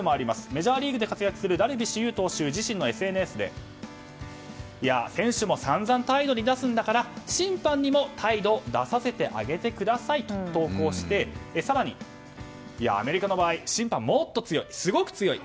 メジャーリーグで活躍するダルビッシュ有投手自身のＳＮＳで選手も散々、態度に出すんだから審判にも態度を出させてあげてくださいと投稿して更にアメリカの場合審判もっと強いすごく強い。